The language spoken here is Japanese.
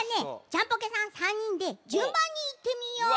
ジャンポケさん３にんでじゅんばんにいってみよう！